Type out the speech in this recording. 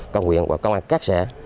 công nguyện và công an các xã